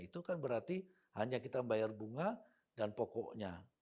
itu kan berarti hanya kita bayar bunga dan pokoknya